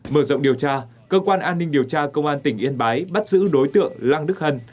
mở rộng điều tra cơ quan an ninh điều tra công an tỉnh yên bái bắt giữ đối tượng lăng đức hân